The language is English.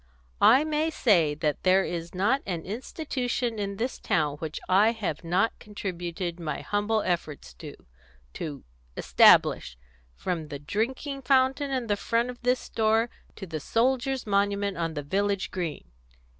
"I may say that there is not an institution in this town which I have not contributed my humble efforts to to establish, from the drinking fountain in front of this store, to the soldiers' monument on the village green."